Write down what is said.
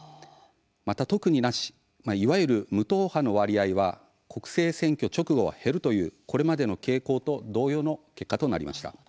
また、特になしいわゆる無党派の割合は国政選挙直後は減るというこれまでの傾向と同様の結果となりました。